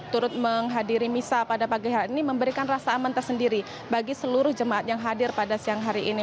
turut menghadiri misa pada pagi hari ini memberikan rasa aman tersendiri bagi seluruh jemaat yang hadir pada siang hari ini